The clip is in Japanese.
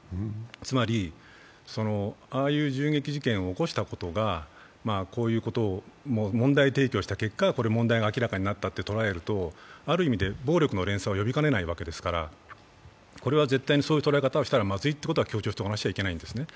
つまりああいう銃撃事件を起こしたことがこういうことを問題提起をした結果、これが明らかになったと捉えると、ある意味で暴力の連鎖を呼びかねないわけですからこれは絶対に、そういう捉え方をしたらまずいというのは強調しておきたいんですね。